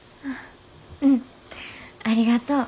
うんありがとう。